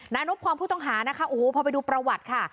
นานุพรมผู้ต้องหานะคะพอไปดูประวัติค่ะ